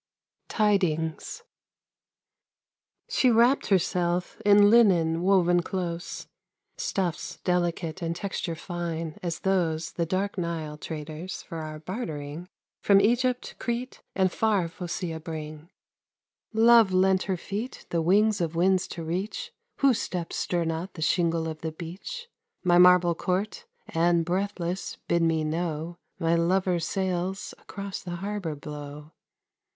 TIDINGS She wrapped herself in linen woven close, Stuffs delicate and texture fine as those The dark Nile traders for our bartering From Egypt, Crete and far Phocea bring. Love lent her feet the wings of winds to reach (Whose steps stir not the shingle of the beach) My marble court and, breathless, bid me know My lover's sails across the harbor blow.